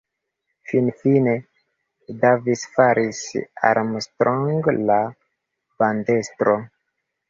Finfine, Davis faris Armstrong la bandestro.